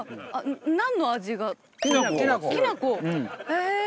へえ。